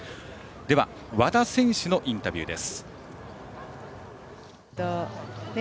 では和田選手のインタビューです。